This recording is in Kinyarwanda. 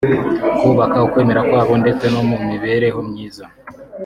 kubaka ukwemera kwabo ndetse no mu mibereho myiza